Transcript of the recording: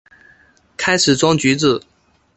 开始装橘子